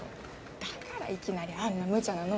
だからいきなりあんなむちゃなノルマを。